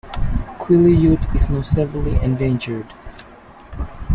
Quileute is now severely endangered.